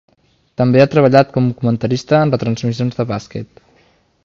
També ha treballat com comentarista en retransmissions de bàsquet.